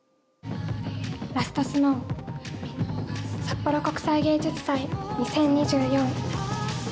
ラストスノー札幌国際芸術祭２０２４。